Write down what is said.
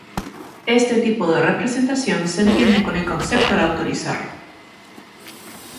Este tipo de representación se entiende con el concepto de autorizar.